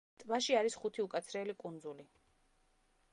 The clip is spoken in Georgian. ტბაში არის ხუთი უკაცრიელი კუნძული.